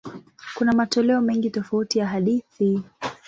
Kuna matoleo mengi tofauti ya hadithi.